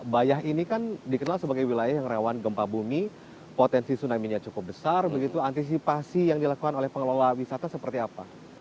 bayah ini kan dikenal sebagai wilayah yang rawan gempa bumi potensi tsunami nya cukup besar begitu antisipasi yang dilakukan oleh pengelola wisata seperti apa